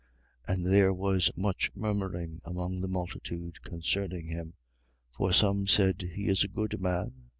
7:12. And there was much murmuring among the multitude concerning him. For some said: He is a good man.